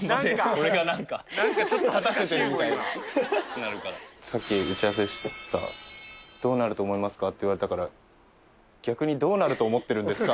俺がなんかさっき打ち合わせしてさどうなると思いますか？って言われたから逆にどうなると思ってるんですか？